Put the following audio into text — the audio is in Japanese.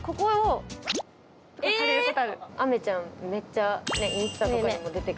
めっちゃインスタとかにも出て来る。